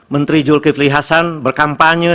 menteri zulkifli hasan berkampanye